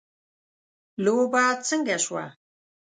لوبه څنګه شوه